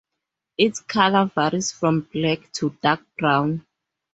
Its color varies from black to dark brown.